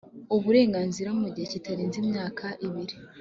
uburenganzira mu gihe kitarenze imyaka ibiri